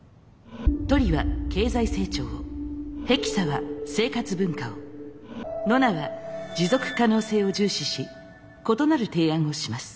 トリは経済成長をヘキサは生活文化をノナは持続可能性を重視し異なる提案をします。